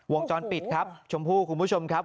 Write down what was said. วงจรปิดครับชมพู่คุณผู้ชมครับ